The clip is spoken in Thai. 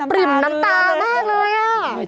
ริ่มน้ำตามากเลยอ่ะ